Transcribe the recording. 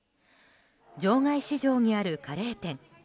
場外市場にあるカレー店。